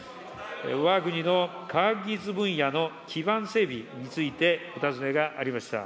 わが国の科学技術分野の基盤整備について、お尋ねがありました。